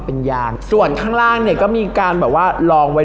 อร่อยเชียบแน่นอนครับอร่อยเชียบแน่นอนครับ